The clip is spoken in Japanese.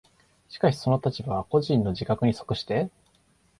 しかしその立場が個人の自覚に即して